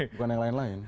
bukan yang lain lain